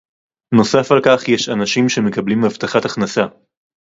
נוסף על כך יש אנשים שמקבלים הבטחת הכנסה